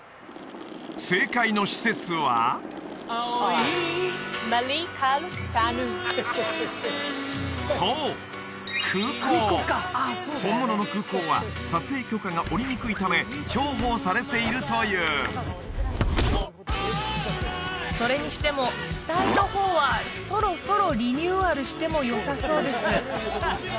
正解の施設はそう空港本物の空港は撮影許可が下りにくいため重宝されているというそれにしても機体の方はそろそろリニューアルしてもよさそうです